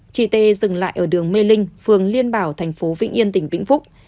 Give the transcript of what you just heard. chị tê dừng lại ở đường mê linh phường liên bảo thành phố vĩnh yên tỉnh vĩnh phúc